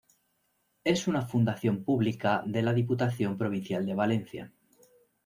Es una fundación pública de la Diputación Provincial de Valencia.